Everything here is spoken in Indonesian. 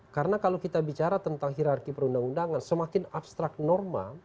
karena kalau kita bicara tentang hirarki perundang undangan semakin abstrak norma